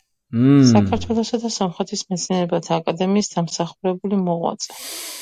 საქართველოსა და სომხეთის მეცნიერებათა აკადემიის დამსახურებული მოღვაწე.